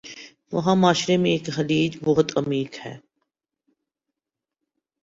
وہاں معاشرے میں ایک خلیج بہت عمیق ہے